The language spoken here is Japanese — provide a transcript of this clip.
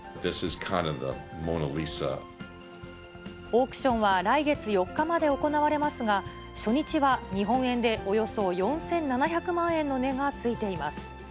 オークションは来月４日まで行われますが、初日は日本円でおよそ４７００万円の値がついています。